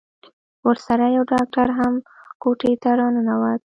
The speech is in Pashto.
ورسره يو ډاکتر هم کوټې ته راننوت.